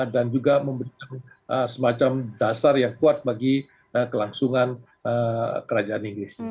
dan juga memberikan semacam dasar yang kuat bagi kelangsungan kerajaan inggris